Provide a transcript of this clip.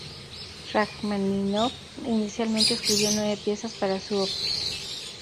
Rajmáninov inicialmente escribió nueve piezas para su Op.